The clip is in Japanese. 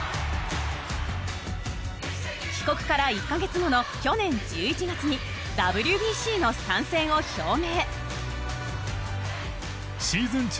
帰国から１カ月後の去年１１月にＷＢＣの参戦を表明。